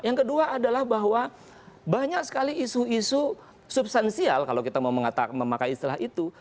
yang kedua adalah bahwa banyak sekali isu isu substansial kalau kita mau memakai istilah itu